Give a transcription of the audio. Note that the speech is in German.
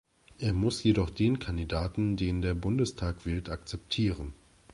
Er muss jedoch den Kandidaten, den der Bundestag wählt, akzeptieren.